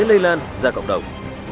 lây lan ra cộng đồng